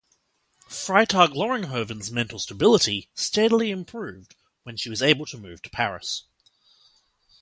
Freytag-Loringhoven's mental stability steadily improved when she was able to move to Paris.